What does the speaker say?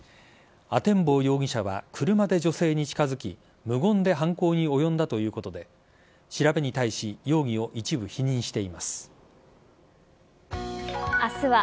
阿天坊容疑者は車で女性に近づき無言で犯行に及んだということで調べに対し容疑を一部否認しています。